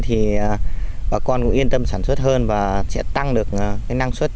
thì bà con cũng yên tâm sản xuất hơn và sẽ tăng được cái năng suất